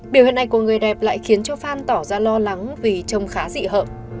biểu hiện này của người đẹp lại khiến cho fan tỏ ra lo lắng vì trông khá dị hợm